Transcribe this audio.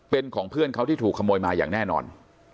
เป็นของเพื่อนเขาที่ถูกขโมยมาอย่างแน่นอน